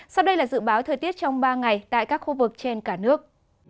sau đây là dự báo thời tiết trong ba ngày tại các khu vực trên cả nước